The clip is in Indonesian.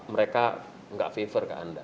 ada ceruk yang mereka tidak favor ke anda